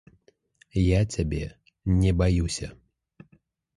Я цябе не баюся!